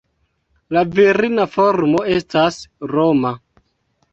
La virina formo estas Roma.